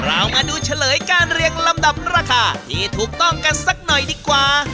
เรามาดูเฉลยการเรียงลำดับราคาที่ถูกต้องกันสักหน่อยดีกว่า